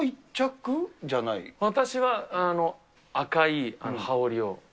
私は赤い羽織を。